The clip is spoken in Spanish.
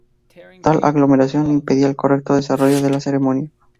Tal aglomeración impedía el correcto desarrollo de la ceremonia.